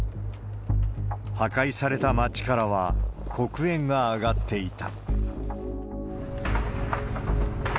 破壊された町からは、黒煙が上がっていた。